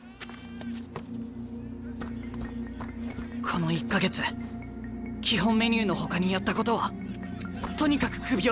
この１か月基本メニューのほかにやったことはとにかく首を振ること。